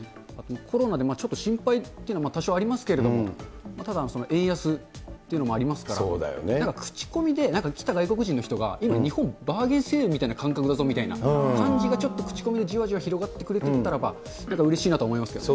コロナでちょっと心配っていうのは多少ありますけれども、ただ、円安っていうのもありますから、なんか口コミで来た外国人の人が、今、日本、バーゲンセールみたいな感覚だぞみたいな、感じがちょっと口コミでじわじわ広がってくれたらば、なんかうれそうですね。